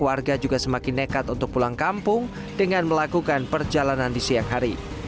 warga juga semakin nekat untuk pulang kampung dengan melakukan perjalanan di siang hari